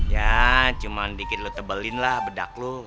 ya cuman dikit lu tebelin lah bedak lu